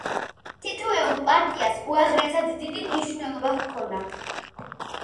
თითოეულ პარტიას უაღრესად დიდი მნიშვნელობა ჰქონდა.